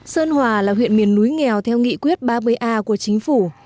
sơn hòa là huyện miền núi nghèo theo nghị quyết ba mươi a của chính phủ